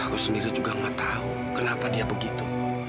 aku sendiri juga gak tahu kenapa dia begitu